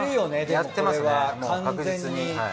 やってますねもう確実に。